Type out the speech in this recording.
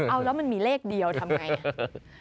เอาแล้วมันมีเลขเดียวทำไง